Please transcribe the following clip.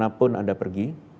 dan kemana pun anda pergi